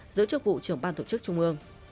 giữ chức vụ trưởng ban tổ chức trung mương